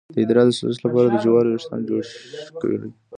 د ادرار د سوزش لپاره د جوارو ویښتان جوش کړئ